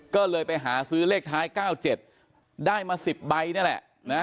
ก็เลยไปหาซื้อเลขท้าย๙๗ได้มา๑๐ใบนี่แหละนะ